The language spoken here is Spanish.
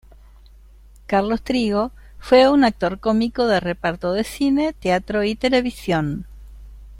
Carlos Trigo fue un actor cómico de reparto de cine, teatro y televisión.